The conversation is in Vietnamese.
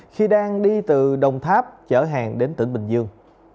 khi đang đi từ đồng tháp chở hàng đến tỉnh bình dương